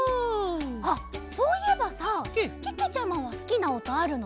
あっそういえばさけけちゃまはすきなおとあるの？